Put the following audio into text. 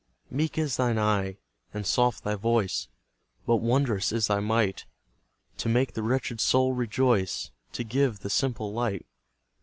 Meek is thine eye and soft thy voice, But wondrous is thy might, To make the wretched soul rejoice, To give the simple light!